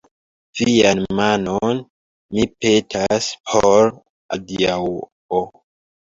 Vian manon, mi petas, por adiaŭo.